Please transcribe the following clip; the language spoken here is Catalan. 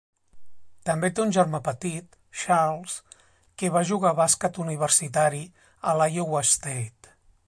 També té un germà petit, Charles, que va jugar a bàsquet universitari a l'Iowa State.